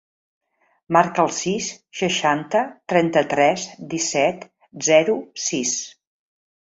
Marca el sis, seixanta, trenta-tres, disset, zero, sis.